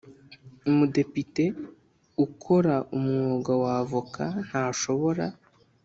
Umudepite ukora umwuga wa Avoka ntashobora